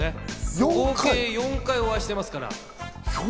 合計４回お会いしていますから。